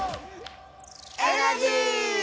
⁉エナジー！